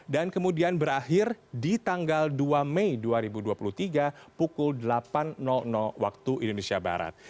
dan kemudian berakhir di tanggal dua mei dua ribu dua puluh tiga pukul delapan waktu indonesia barat